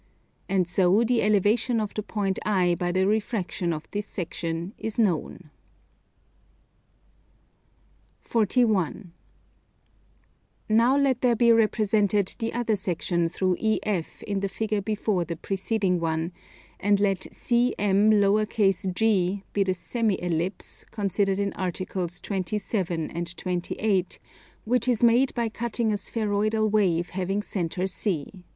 And so the elevation of the point I by the refraction of this section is known. 41. Now let there be represented the other section through EF in the figure before the preceding one; and let CM_g_ be the semi ellipse, considered in Articles 27 and 28, which is made by cutting a spheroidal wave having centre C.